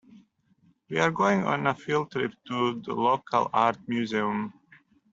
We're going on a field trip to the local art museum.